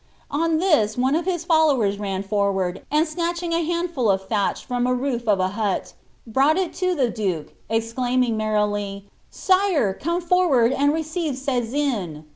On this, one of his followers mi forward, and enatching a h^kndful of thaich from the roof of a hul, brought il lo the duke,' exclainitng mer rily, " Sire, conie forward and receive «iiin.